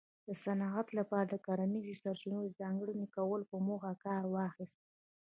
د صنعت لپاره د کرنیزو سرچینو د ځانګړي کولو په موخه کار واخیست